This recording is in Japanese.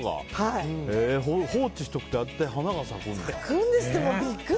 放置しておくとああやって花が咲くんだ。